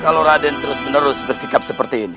kalau raden terus menerus bersikap seperti ini